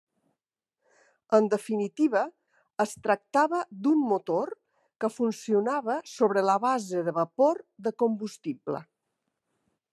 En definitiva, es tractava d'un motor que funcionava sobre la base de vapor de combustible.